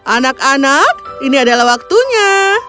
anak anak ini adalah waktunya